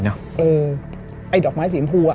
เออไอ้ดอกไม้สีอินพู